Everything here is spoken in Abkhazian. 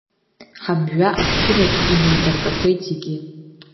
Ҳамжәа ашәшьыраҿ инеибартәақәеит зегьы.